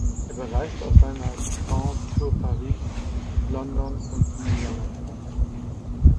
Er bereiste auf seiner Grand Tour Paris, London und die Niederlande.